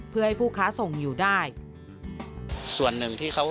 เพื่อให้ผู้ค้าส่งอยู่ได้